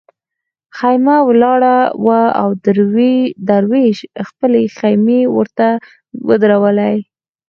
خېمه ولاړه وه دروېش خپلې خېمې ورته ودرولې.